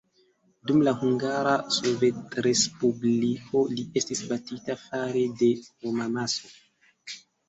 Dum la Hungara Sovetrespubliko li estis batita fare de homamaso.